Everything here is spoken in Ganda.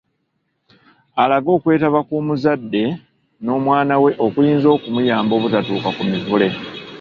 Alage okwetaba kw’omuzadde n’omwana we okuyinza okumuyamba obutatuuka ku Mivule